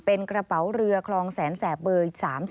เป็นกระเป๋าเรือคลองแสนแสบเบอร์๓๔